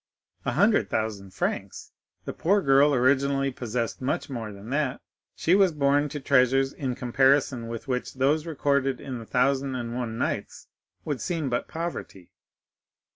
"A hundred thousand francs! The poor girl originally possessed much more than that; she was born to treasures in comparison with which those recorded in the Thousand and One Nights would seem but poverty."